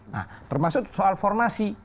nah termasuk soal formasi